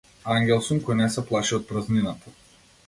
Ангел сум кој не се плаши од празнината.